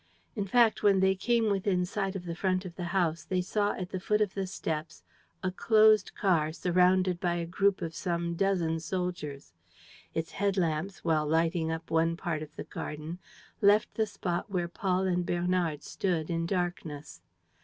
In fact, when they came within sight of the front of the house, they saw at the foot of the steps a closed car surrounded by a group of some dozen soldiers. Its head lamps, while lighting up one part of the garden, left the spot where Paul and Bernard stood in darkness.